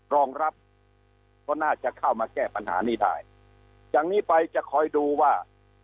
รองรับก็น่าจะเข้ามาแก้ปัญหานี้ได้จากนี้ไปจะคอยดูว่า